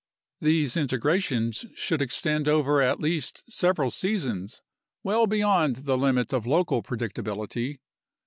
These integrations should extend over at least several seasons, well beyond the limit of local predictability.